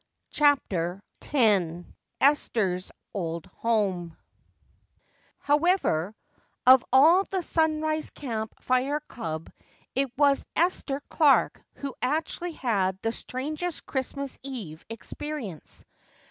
CHAPTER X Esther's Old Home However, of all the Sunrise Camp Fire club it was Esther Clark who actually had the strangest Christmas eve experience.